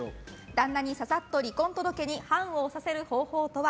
旦那にささっと離婚届に判を押させる方法とは？